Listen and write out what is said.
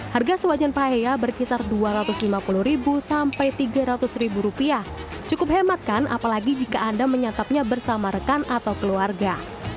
harga sewajan paheya berkisar dua ratus lima puluh sampai rp tiga ratus rupiah cukup hemat kan apalagi jika anda menyatapnya bersama rekan atau keluarga